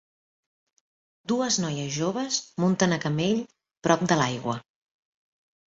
Dues noies joves munten a camell prop de l'aigua.